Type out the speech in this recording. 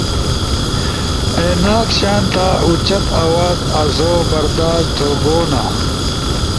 این ایک شانتا اُوچت اواز آسو برداشت تھوگونا